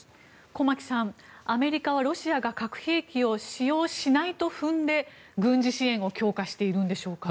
駒木さん、アメリカはロシアが核兵器を使用しないと踏んで軍事支援を強化しているんでしょうか。